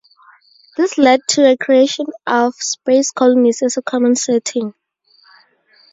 This led to the creation of space colonies as a common setting.